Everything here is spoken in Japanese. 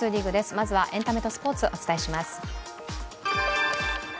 まずはエンタメとスポーツお伝えします。